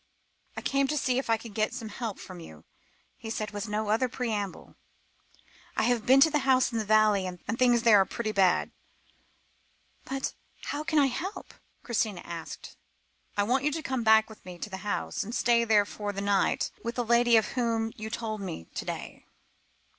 "I came to see if I could get some help from you," he said, with no other preamble. "I have been to the house in the valley, and things there are pretty bad." "But how can I help?" Christina asked. "I want you to come back with me to the house, and stay there for the night, with the lady of whom you told me to day."